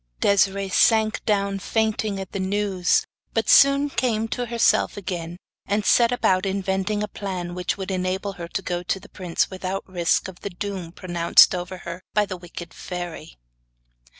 Desiree sank down fainting at the news, but soon came to herself again, and set about inventing a plan which would enable her to go to the prince without risking the doom pronounced over her by the wicked fairy.